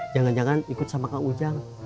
jadi jangan ikut sama kang ujang